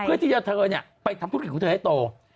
เพื่อที่เธอเนี่ยไปทำคุณผู้เกี่ยวกันให้โต